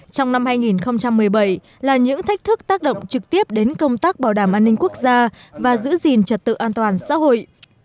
trong năm hai nghìn một mươi bảy là những thách thức tác động trực tiếp đến công tác bảo đảm an ninh quốc gia và giữ gìn trật tự an toàn xã hội